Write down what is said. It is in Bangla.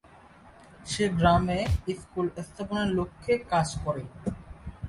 সে গ্রামে স্কুল স্থাপনের লক্ষ্যে কাজ করে।